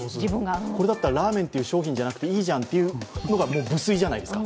これだったらラーメンという商品じゃなくていいじゃないというのが不粋じゃないですか。